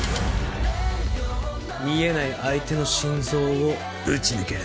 見えない相手の心臓を撃ち抜ける。